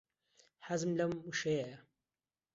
حەزم لەم وشەیەیە.